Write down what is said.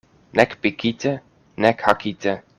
Nek pikite, nek hakite.